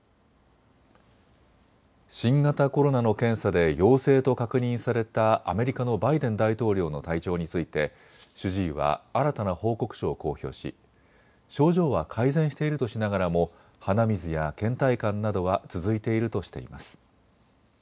新型コロナの検査で陽性と確認されたアメリカのバイデン大統領の体調について主治医は新たな報告書を公表し症状は改善しているとしながらも鼻水やけん怠感などは続いているとしています。